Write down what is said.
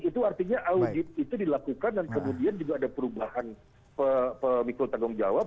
itu artinya audit itu dilakukan dan kemudian juga ada perubahan pemikul tanggung jawab